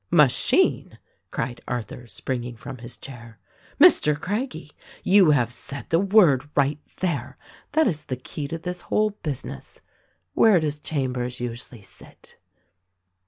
'' "Machine!" cried Arthur, springing from his chair. ''Mr. Craggie, you have said the word, right there : that is the key to this whole business. Where does Chambers usually sit?"